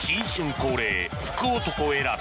恒例、福男選び。